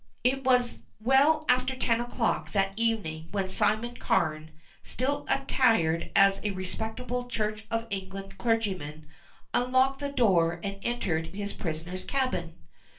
It was well after ten o'clock that evening when Simon Carne, still attired as a respectable Church of England clergyman, unlocked the door and entered his prisoner's cabin.